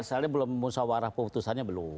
misalnya belum musawarah putusannya belum